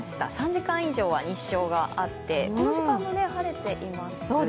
３時間以上は日照があってこの時間も晴れています。